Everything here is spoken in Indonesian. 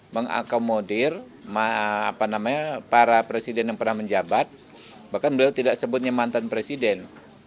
mengakomodir para presiden yang pernah menjabat bahkan beliau tidak sebutnya mantan presiden